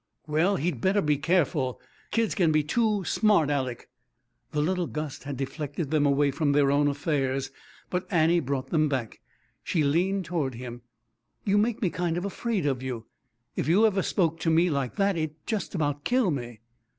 "Well, he'd better be careful; kids can be too smart Aleck." The little gust had deflected them away from their own affairs. But Annie brought them back. She leaned toward him. "You make me kind of afraid of you. If you ever spoke to me like that it'd just about kill me."